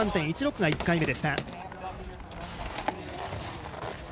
２３．１６が１回目でした。